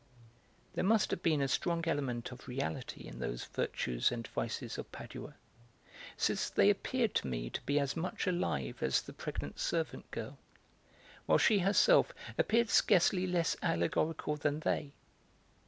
There must have been a strong element of reality in those Virtues and Vices of Padua, since they appeared to me to be as much alive as the pregnant servant girl, while she herself appeared scarcely less allegorical than they.